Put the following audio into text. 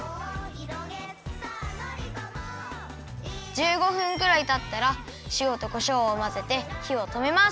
１５分ぐらいたったらしおとこしょうをまぜてひをとめます。